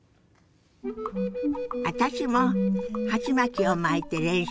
私も鉢巻きを巻いて練習するわよ。